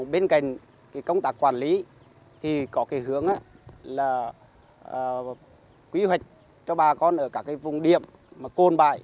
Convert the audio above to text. bên cạnh công tác quản lý thì có cái hướng là quy hoạch cho bà con ở các vùng điểm mà côn bại